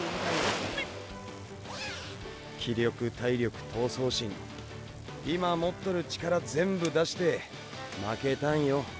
気力体力闘争心今持っとる力全部出して負けたんよ